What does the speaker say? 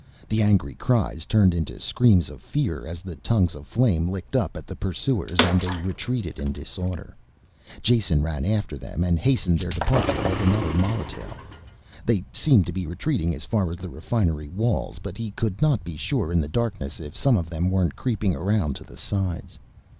The angry cries turned into screams of fear as the tongues of flame licked up at the pursuers and they retreated in disorder. Jason ran after them and hastened their departure with another molotail. They seemed to be retreating as far as the refinery walls, but he could not be sure in the darkness if some of them weren't creeping around to the sides.